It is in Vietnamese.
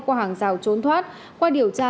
qua hàng rào trốn thoát qua điều tra